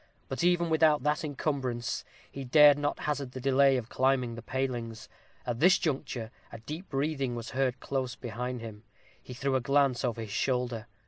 But even without that incumbrance, he dared not hazard the delay of climbing the palings. At this juncture a deep breathing was heard close behind him. He threw a glance over his shoulder.